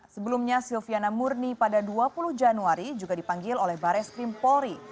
sebelumnya silviana murni pada dua puluh januari juga dipanggil oleh bares krim polri